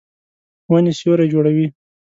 ونې سیوری جوړوي.